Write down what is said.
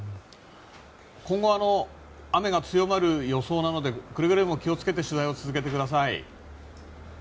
今後雨が強まる予想なのでくれぐれも気を付けて取材を続けてください。